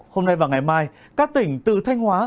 hôm nay và ngày mai các tỉnh từ thanh hóa